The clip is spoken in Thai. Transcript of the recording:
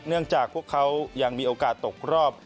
จากพวกเขายังมีโอกาสตกรอบ